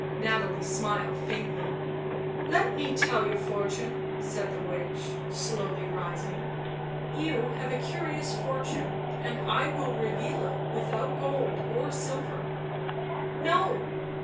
Nathalie smiled faintly. " Let me tell your fortune," said the witch, slowly rising. "You have a curious fortune, and I will reveal it without gold or silver." " No